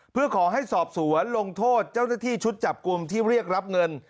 เพื่อขอให้สอบสวนลงโทษเจ้าหน้าที่ชุดจับกลุ่มที่เรียกรับเงิน